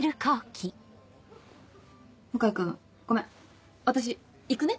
向井君ごめん私行くね。